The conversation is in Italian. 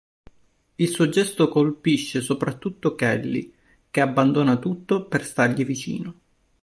Il suo gesto colpisce soprattutto Kelly, che abbandona tutto per stargli vicino.